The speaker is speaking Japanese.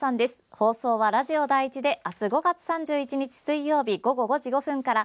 放送はラジオ第１で明日５月３１日、水曜日午後５時５分から。